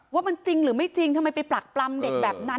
ว่ามันจริงหรือไม่จริงทำไมไปปรักปรำเด็กแบบนั้น